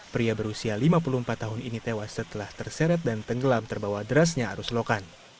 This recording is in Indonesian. pria berusia lima puluh empat tahun ini tewas setelah terseret dan tenggelam terbawa derasnya arus lokan